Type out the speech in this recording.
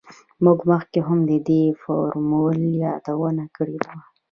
موږ مخکې هم د دې فورمول یادونه کړې وه